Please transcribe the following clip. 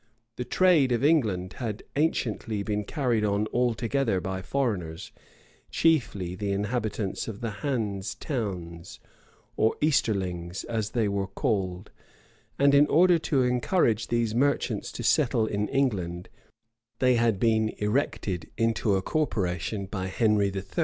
The trade of England had anciently been carried on altogether by foreigners, chiefly the inhabitants of the Hanse Towns, or Easterlings, as they were called; and in order to encourage these merchants to settle in England, they had been erected into a corporation by Henry III.